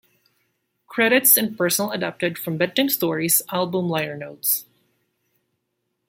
Credits and personnel adapted from "Bedtime Stories" album liner notes.